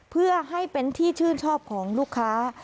เพื่อให้เป็นที่ชื่นชอบของลูกค้า